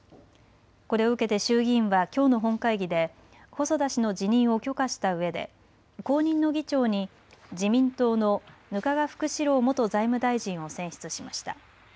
これを受けて衆議院はきょうの本会議で細田氏の辞任を許可したうえで後任の議長に自民党の額賀福志郎元財務大臣を選出しました。